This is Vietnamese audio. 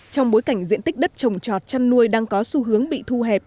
trong bối cảnh diện tích đất trồng trọt chăn nuôi đang có xu hướng bị thu hẹp